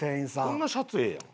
こんなシャツええやん。